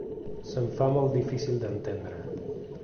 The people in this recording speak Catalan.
Se’m fa molt difícil d’entendre.